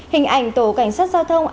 hình ảnh tổ cảnh sát giao thông